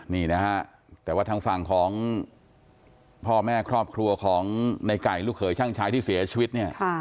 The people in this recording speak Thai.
นี่นะฮะแต่ว่าทางฝั่งของพ่อแม่ครอบครัวของในไก่ลูกเขยช่างชายที่เสียชีวิตเนี่ย